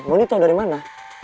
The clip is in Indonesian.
mondi tau dari mana